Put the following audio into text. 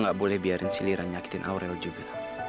gue gak boleh biarin si lira nyakitin aurel juga